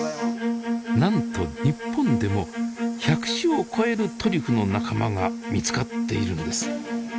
なんと日本でも１００種を超えるトリュフの仲間が見つかっているんです。